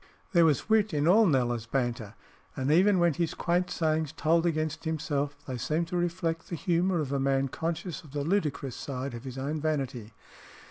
There was wit in all Kneller's banter, and even when his quaint sayings told against himself, they seemed to reflect the humour of a man conscious of the ludicrous side of his own vanity.